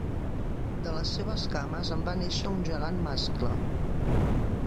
De les seves cames en va néixer un gegant mascle.